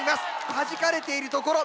はじかれているところ。